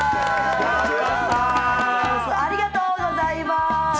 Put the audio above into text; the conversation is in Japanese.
ありがとうございます。